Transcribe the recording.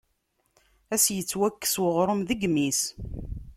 Ad s-yettwakkes uɣrum deg imi-s.